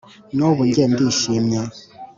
n’ubu njye ndishimye